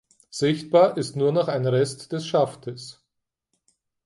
Sichtbar ist nur noch ein Rest des Schaftes.